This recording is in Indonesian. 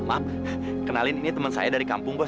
bos maaf kenalin ini temen saya dari kampung bos